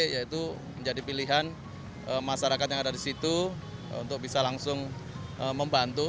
yaitu menjadi pilihan masyarakat yang ada di situ untuk bisa langsung membantu